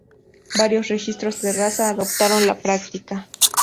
Varios registros de raza adoptaron la práctica.